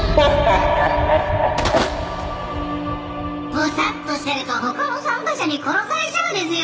「ボサッとしてると他の参加者に殺されちゃうデスヨ」